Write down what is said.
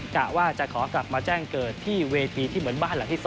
กะว่าจะขอกลับมาแจ้งเกิดที่เวทีที่เหมือนบ้านหลังที่๓